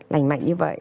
lành mạnh như vậy